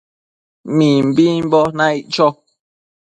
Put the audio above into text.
Mimbimbo naic cho